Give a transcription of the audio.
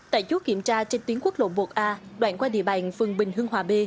tại chốt kiểm tra trên tuyến quốc lộ một a đoạn qua địa bàn phương bình hương hòa b